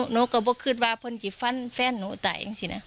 หนูก็บอกคือว่าผมจะฟันแฟนหนูแต่อย่างนี้นะ